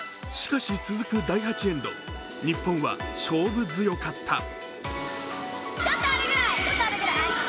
しかし、続く第８エンド、日本は勝負強かった。